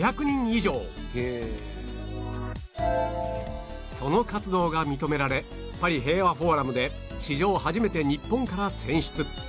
これまでにその活動が認められパリ平和フォーラムで史上初めて日本から選出